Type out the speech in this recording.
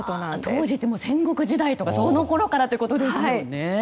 当時って戦国時代とかそのころからってことですよね。